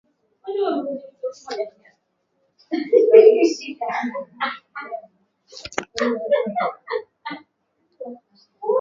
Limeongezeka kidogo tu katika mwaka huo, na kuiacha nchi hiyo chini ya mapato ya chini.